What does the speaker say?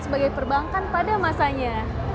sebagai perbankan pada masanya